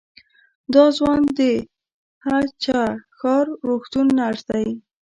دا ځوان د هه چه ښار روغتون نرس دی.